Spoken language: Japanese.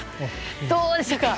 どうでしたか？